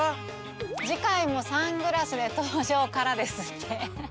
「次回もサングラスで登場から」ですって。